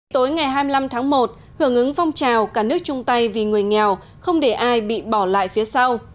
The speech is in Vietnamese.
tối ngày hai mươi năm tháng một hưởng ứng phong trào cả nước chung tay vì người nghèo không để ai bị bỏ lại phía sau